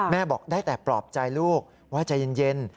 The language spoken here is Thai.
บอกได้แต่ปลอบใจลูกว่าใจเย็น